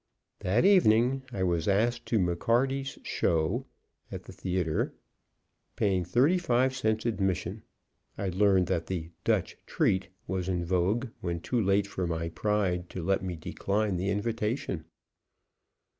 That evening I was asked to McCarty's Show, at the Theatre, paying thirty five cents admission; I learned that the "Dutch treat" was in vogue when too late for my pride to let me decline the invitation.